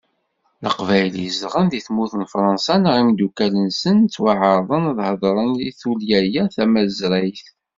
Leqbayel i izedɣen di tmurt n Fransa, neɣ imeddukkal-nsen, ttwaɛerḍen ad ḥeḍren i tullya-a tamazrayt.